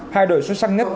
hai đội xuất sắc nhất